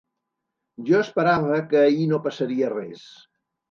Jo esperava que ahir no passaria res.